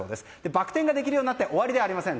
バク転ができるようになって終わりではありません。